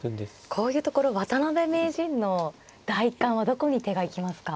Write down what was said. こういうところ渡辺名人の第一感はどこに手が行きますか。